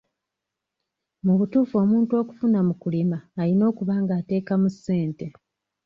Mu butuufu omuntu okufuna mu kulima ayina okuba ng'ateekamu ssente.